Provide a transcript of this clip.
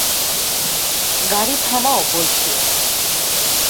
গাড়ি থামাও বলছি।